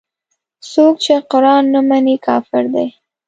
څوک چې قران نه مني کافر دی.